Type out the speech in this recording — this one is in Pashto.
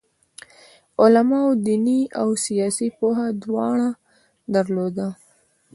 علماوو دیني او سیاسي پوهه دواړه درلوده.